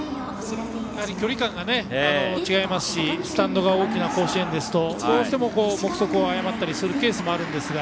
距離感が違いますしスタンドが大きな甲子園ですとどうしても目測を誤ったりするケースもありますが